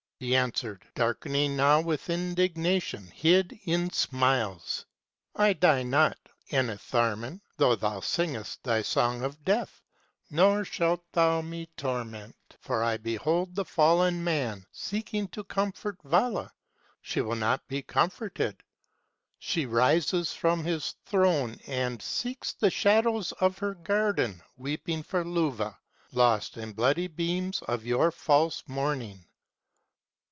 He answered, darkening now with indignation hid in smiles : â 14 BLAKE'S POEMS I die not, Enitharmon, though thou singest thy song of Death, Nor shalt thou me torment, for I behold the Fallen Man Seeking to comfort Vala : she will not be comforted. 270 She rises from his throne and seeks the shadows of her garden Weeping for Luvah, lost in bloody beams of your false morning.